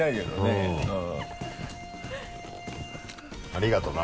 ありがとうな。